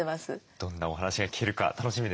どんなお話が聞けるか楽しみですね。